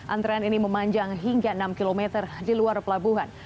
antrean ini memanjang hingga enam km di luar pelabuhan